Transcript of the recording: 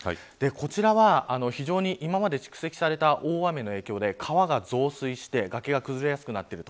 こちらは、非常に今まで蓄積された大雨の影響で川が増水してがけが崩れやすくなっている。